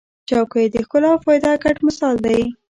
چوکۍ د ښکلا او فایده ګډ مثال دی.